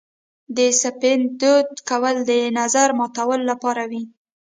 د سپند دود کول د نظر ماتولو لپاره وي.